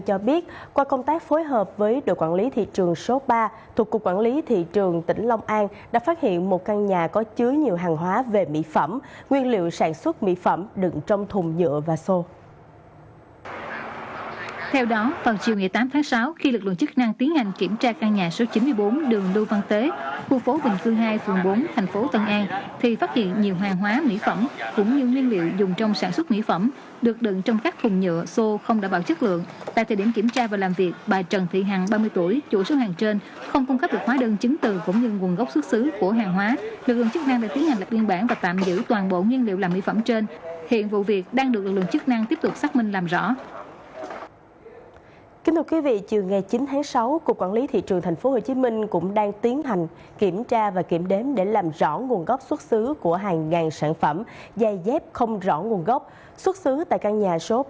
chưa nghe chín tháng sáu cục quản lý thị trường tp hcm cũng đang tiến hành kiểm tra và kiểm đếm để làm rõ nguồn gốc xuất xứ của hàng ngàn sản phẩm dài dép không rõ nguồn gốc xuất xứ tại căn nhà số ba mươi đường một trăm linh hai cao lỗ phường bốn quận tám